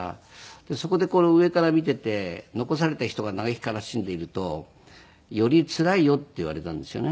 でそこでこう上から見ていて残された人が嘆き悲しんでいるとよりつらいよって言われたんですよね。